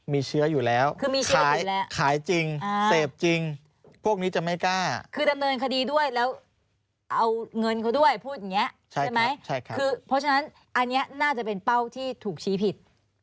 น่าจะเป็นเป้าที่ถูกชี้ผิด